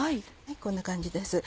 こんな感じです。